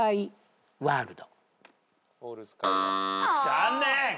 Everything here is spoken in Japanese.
残念。